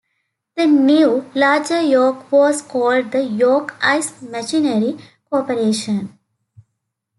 The new, larger York was called the York Ice Machinery Corporation.